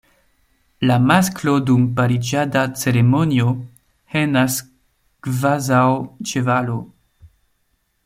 La masklo dum pariĝada ceremonio henas kvazaŭ ĉevalo.